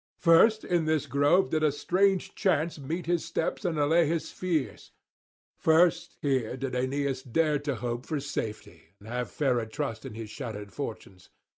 First in this grove did a strange chance meet his steps and allay his fears; first here did Aeneas dare to hope for safety and have fairer trust in his shattered fortunes.